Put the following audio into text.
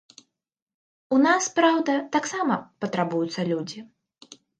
У нас, праўда, таксама патрабуюцца людзі.